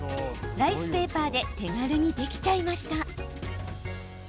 ライスペーパーで手軽にできちゃいました。